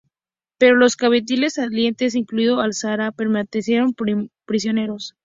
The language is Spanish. Pero los cabildantes salientes, incluido Álzaga, permanecieron prisioneros.